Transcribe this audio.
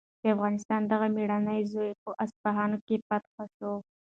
د افغانستان دغه مېړنی زوی په اصفهان کې فاتح شو.